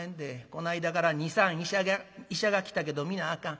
こないだから２３医者が来たけど皆あかん。